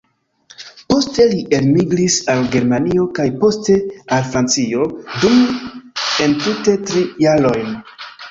Poste li elmigris al Germanio kaj poste al Francio, dum entute tri jarojn.